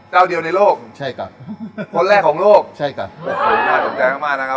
เจ้าเดียวในโลกใช่ครับคนแรกของโลกใช่ครับโอ้โหน่าตกใจมากมากนะครับ